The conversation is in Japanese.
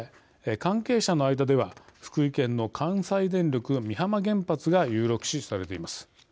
関係者の間では福井県の関西電力美浜原発が有力視されています。